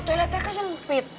toiletnya kan sempit